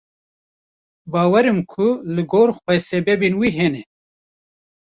Bawerim ku li gor xwe sebebên wî hene.